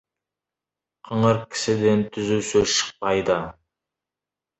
Қыңыр кісіден түзу сөз шықпайды.